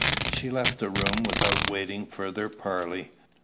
She left the room without waiting further parley.